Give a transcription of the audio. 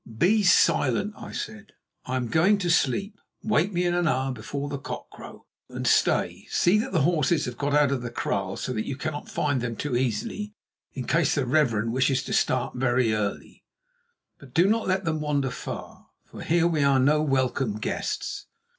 "Be silent," I said. "I am going to sleep. Wake me an hour before the cock crow—and, stay—see that the horses have got out of the kraal so that you cannot find them too easily in case the Reverend wishes to start very early. But do not let them wander far, for here we are no welcome guests."